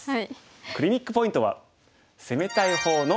クリニックポイントは。